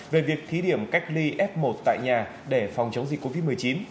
về việc thí điểm cách ly f một tại nhà để phòng chống dịch covid một mươi chín